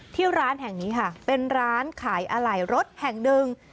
ที่ร้านแห่งนี้ค่ะเป็นร้านขายอะไหล่รถแห่งหนึ่ง